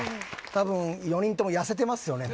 多分４人とも痩せてますよね